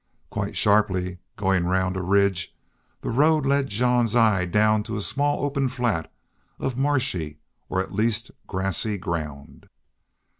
Quite sharply, going around a ridge, the road led Jean's eye down to a small open flat of marshy, or at least grassy, ground.